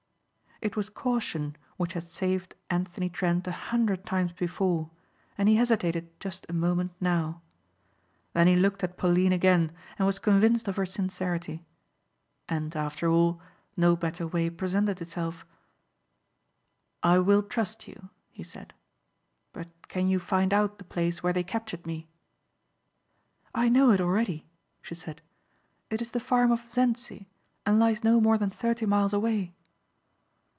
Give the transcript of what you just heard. It was caution which had saved Anthony Trent a hundred times before and he hesitated just a moment now. Then he looked at Pauline again and was convinced of her sincerity. And, after all, no better way presented itself. "I will trust you," he said, "but can you find out the place where they captured me?" "I know it already," she said, "it is the farm of Zencsi and lies no more than thirty miles away."